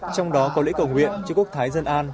trong đó có lễ cầu nguyện cho quốc thái dân an